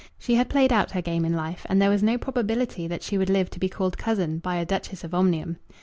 She had played out her game in life, and there was no probability that she would live to be called cousin by a Duchess of Omnium.